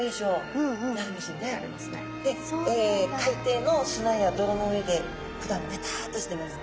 で海底の砂や泥の上でふだんベタッとしてます。